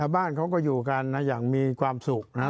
บ้านเขาก็อยู่กันอย่างมีความสุขนะครับ